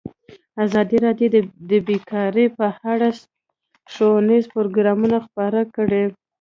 ازادي راډیو د بیکاري په اړه ښوونیز پروګرامونه خپاره کړي.